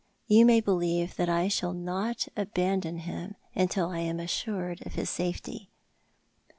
You may believe that I shall not abandon him till I am assured of his safety."